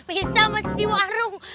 pisang masih di warung